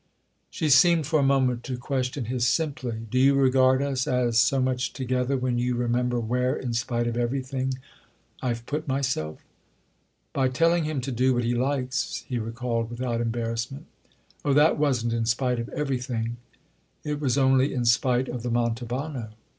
She seemed for a moment to question his "simply." "Do you regard us as so much 'together' when you remember where, in spite of everything, I've put myself?" "By telling him to do what he likes?" he recalled without embarrassment. "Oh, that wasn't in spite of 'everything'—it was only in spite of the Manto vano."